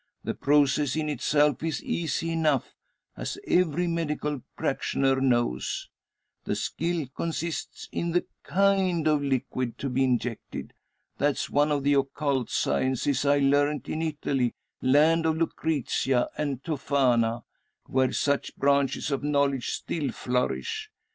The process in itself is easy enough, as every medical practitioner knows. The skill consists in the kind of liquid to be injected. That's one of the occult sciences I learnt in Italy, land of Lucrezia and Tophana; where such branches of knowledge still flourish.